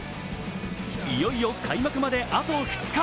いよいよ開幕まであと２日。